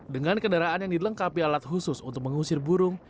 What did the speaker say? dengan kendaraan yang dilengkapi alat khusus untuk mengusir burung